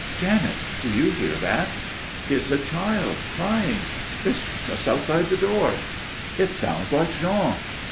"Janet, do you hear that?" "It's a child crying. It's just outside the door." "It sounds like Jean."